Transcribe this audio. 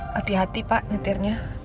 hati hati pak netirnya